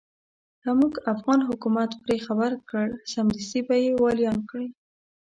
که موږ افغان حکومت پرې خبر کړ سمدستي به يې واليان کړي.